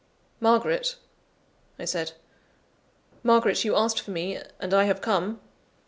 "Margaret," I said, "Margaret, you asked for me, and I have come."